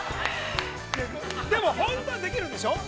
でも、本当はできるんでしょう？